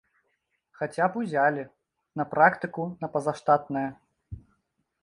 Хаця б узялі, на практыку на пазаштатнае.